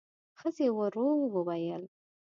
ښځې ورو وویل: